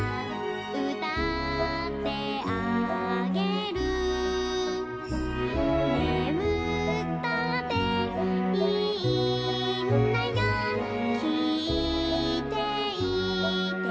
「うたってあげる」「ねむったっていいんだよきいていてね、、、」